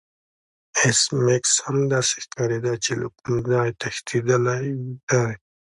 ایس میکس هم داسې ښکاریده چې له کوم ځای تښتیدلی دی